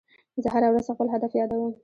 زه هره ورځ خپل هدف یادوم.